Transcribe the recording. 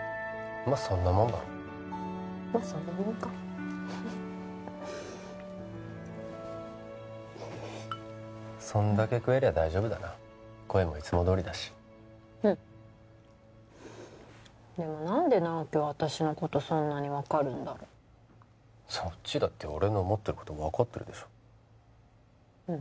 まっそんなもんかそんだけ食えりゃ大丈夫だな声もいつもどおりだしうんでも何で直木は私のことそんなに分かるんだろうそっちだって俺の思ってること分かってるでしょうん